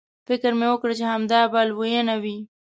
فکر مې وکړ چې همدا به لویینو وي.